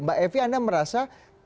mbak evi anda merasa